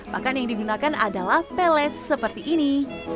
makan yang digunakan adalah pellet seperti ini